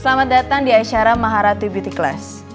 selamat datang di acara maharatu beauty klas